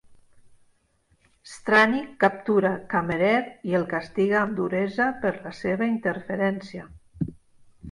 Strannik captura Kammerer i el castiga amb duresa per la seva interferència.